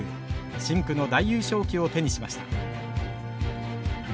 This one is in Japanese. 深紅の大優勝旗を手にしました。